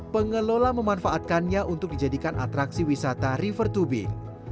pengelola memanfaatkannya untuk dijadikan atraksi wisata river tubing